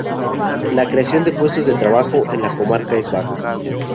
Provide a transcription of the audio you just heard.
La creación de puestos de trabajo en la comarca es baja.